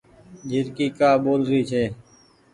جهرڪي ڪآ ٻول رهي ڇي۔